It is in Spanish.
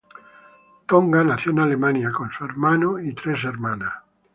Tonga nació en Alemania con su hermano y tres hermanas.